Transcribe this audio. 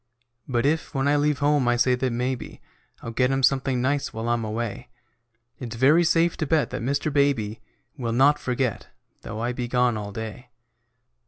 But if, when I leave home, I say that maybe I'll get him something nice while I'm away, It's very safe to bet that Mr. Baby Will not forget, though I be gone all day.